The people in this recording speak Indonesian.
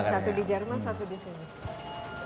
satu di jerman satu disini